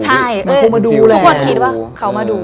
ใช่ทุกคนคิดว่าเขามาดู